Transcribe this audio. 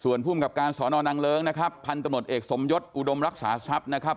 ส่วนภูมิกับการสอนอนางเลิ้งนะครับพันธุ์ตำรวจเอกสมยศอุดมรักษาทรัพย์นะครับ